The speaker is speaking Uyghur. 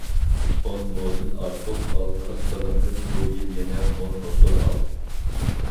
ئون مودىن ئارتۇق ئالمىلىق بېغىمدىن بۇ يىل يەنە مول ھوسۇل ئالدىم.